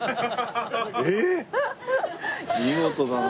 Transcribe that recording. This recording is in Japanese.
見事だな。